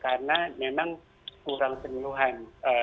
karena memang kurang penyuluhan